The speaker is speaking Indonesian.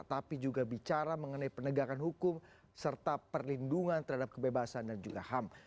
tapi juga bicara mengenai penegakan hukum serta perlindungan terhadap kebebasan dan juga ham